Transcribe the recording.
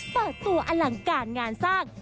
เปิดตัวอลังการงานสร้าง